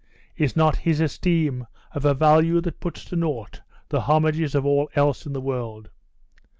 Is not his esteem of a value that puts to naught the homages of all else in the world?